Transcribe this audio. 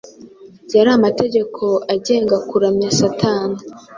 Yari amategeko agenga kuramya Satani,